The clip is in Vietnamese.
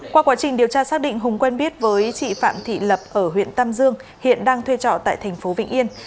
qua quá trình điều tra xác định hùng quen biết với chị phạm thị lập ở huyện tam dương hiện đang thuê trọ tại thành phố vĩnh yên